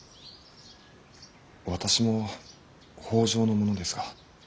私も北条の者ですが。